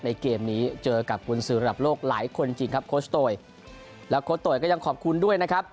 เกมนี้เจอกับกุญสือระดับโลกหลายคนจริงครับโคชโตยแล้วโค้โตยก็ยังขอบคุณด้วยนะครับ